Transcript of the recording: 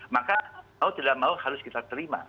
maka mau tidak mau harus kita terima